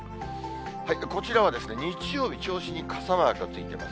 こちらは日曜日、銚子に傘マークがついてます。